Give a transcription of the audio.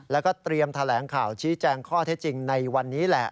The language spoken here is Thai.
แล้วก็เตรียมแถลงข่าวชี้แจงข้อเท็จจริงในวันนี้แหละ